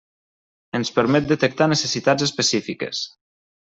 Ens permet detectar necessitats específiques.